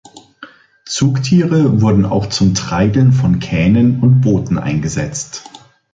Zugtiere wurden auch zum Treideln von Kähnen und Booten eingesetzt.